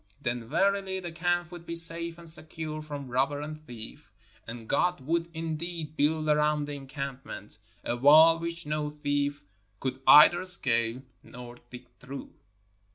Then, verily, the camp would be safe and secure from robber and thief, and God would indeed build around the encampment a wall which no thief could either scale or dig through.